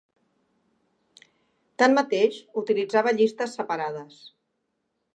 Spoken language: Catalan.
Tanmateix, utilitzava llistes separades.